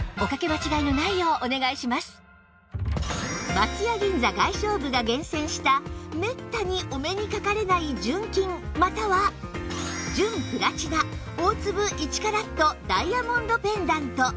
松屋銀座外商部が厳選しためったにお目にかかれない純金または純プラチナ大粒１カラットダイヤモンドペンダント